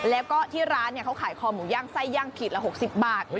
แล้วก็ที่ร้านเขาขายคอหมูย่างไส้ย่างขีดละ๖๐บาท